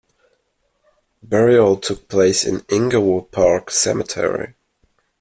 Burial took place in Inglewood Park Cemetery.